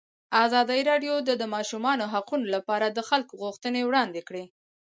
ازادي راډیو د د ماشومانو حقونه لپاره د خلکو غوښتنې وړاندې کړي.